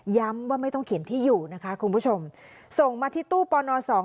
ว่าไม่ต้องเขียนที่อยู่นะคะคุณผู้ชมส่งมาที่ตู้ปอนอสอง